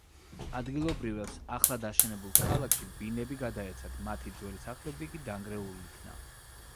ადგილობრივებს ახლად აშენებულ ქალაქში ბინები გადაეცათ, მათი ძველი სახლები კი დანგრეულ იქნა.